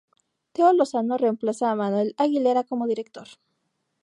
Teo Lozano remplaza a Manuel Aguilera como director.